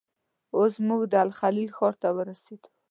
اوس موږ د الخلیل ښار ته ورسېدو.